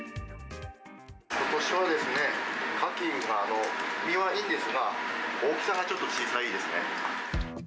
ことしはですね、カキが身はいいんですが、大きさがちょっと小さいですね。